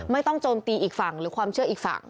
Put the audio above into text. โจมตีอีกฝั่งหรือความเชื่ออีกฝั่ง